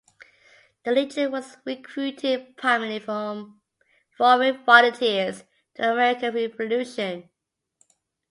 The Legion was recruited primarily from foreign volunteers to the American Revolution.